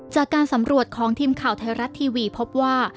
จากการสำรวจของทีมข่าวไทยรัฐทีวีพบว่า